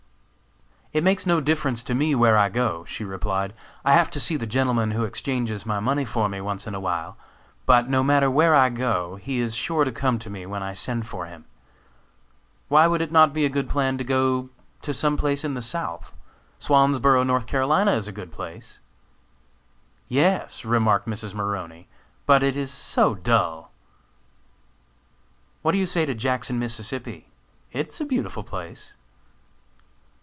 "It makes no difference to me where I go," she replied, "I have to see the gentleman who exchanges my money for me, once in a while; but no matter where I go, he is sure to come to me when I send for him. Why would it not be a good plan to go to some place in the South? Swansboro, N. C., is a good place." "Yes," remarked Mrs. Maroney, "but it is so dull!" "What do you say to Jackson, Mississippi? It is a beautiful place."